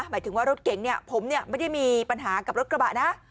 หมายถึงว่ารถเก๋งผมไม่ได้มีปัญหากับรถกระบะนะ